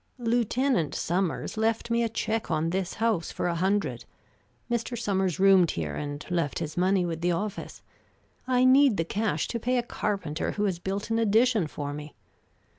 "Lieutenant Sommers left me a check on this house for a hundred Mr. Sommers roomed here, and left his money with the office. I need the cash to pay a carpenter who has built an addition for me.